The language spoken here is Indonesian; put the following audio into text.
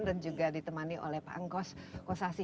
dan juga ditemani oleh pak angkos kosasi